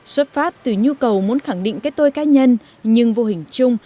xuất phát từ nhu cầu muốn khẳng định cái tôi cá nhân nhưng vô hình chung